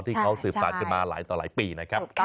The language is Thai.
ที่เขาสืบสารกันมาหลายต่อหลายปีนะครับ